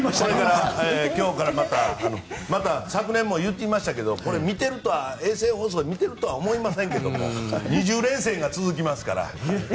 今日からまた昨年も言ってましたけどこれ衛星放送で見ているとは思いませんが２０連戦が続きますから。